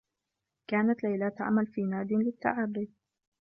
كانت ليلى تعمل في ناد للتّعرّي.